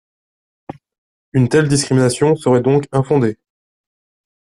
Une telle discrimination serait donc infondée.